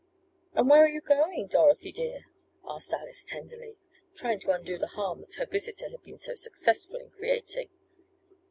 "And where are you going, Dorothy dear?" asked Alice tenderly, trying to undo the harm that her visitor had been so successful in creating.